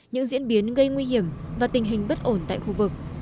những diễn biến gây nguy hiểm và tình hình bất ổn tại khu vực